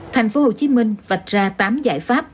tp hcm vạch ra tám giải pháp